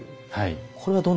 はい。